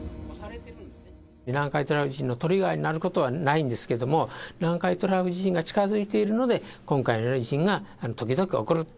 南海トラフ地震のトリガーになることはないんですけれども、南海トラフ地震が近づいているので、今回のような地震が時々起こる。